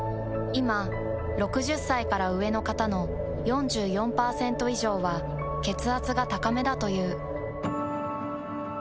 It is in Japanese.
いま６０歳から上の方の４４％以上は血圧が高めだという。